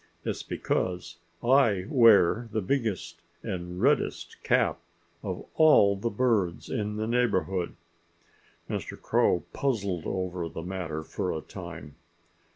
"It's because I wear the biggest and reddest cap of all the birds in the neighborhood." Mr. Crow puzzled over the matter for a time.